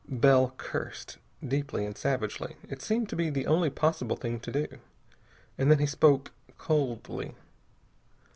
Bell cursed, deeply and savagely. It seemed to be the only possible thing to do. And then he spoke coldly.